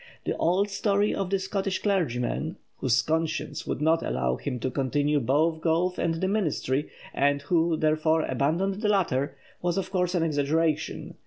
The old story of the Scotch clergyman, whose conscience would not allow him to continue both golf and the ministry, and who therefore abandoned the latter, was of course an exaggeration.